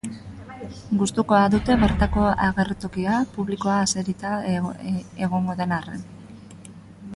Gustukoa dute bertako agertokia, publikoa eserita egongo den arren.